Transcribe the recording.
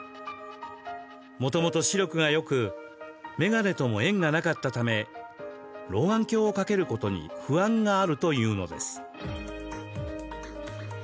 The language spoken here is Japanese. もともと視力がよく眼鏡とも縁がなかったため老眼鏡を掛けることに不安があるというのです。